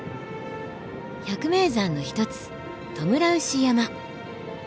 百名山の一つトムラウシ山。